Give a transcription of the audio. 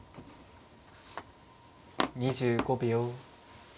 ２５秒。